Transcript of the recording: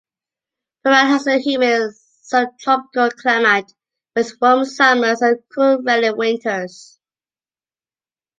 Piran has a humid subtropical climate with warm summers and cool rainy winters.